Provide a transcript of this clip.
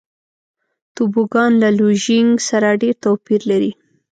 توبوګان له لوژینګ سره ډېر توپیر لري.